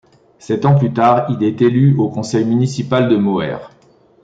Sept ans plus tard, il est élu au conseil municipal de Moers.